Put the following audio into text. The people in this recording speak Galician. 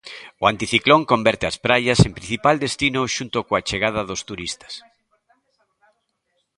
O anticiclón converte as praias en principal destino xunto coa chegada dos turistas.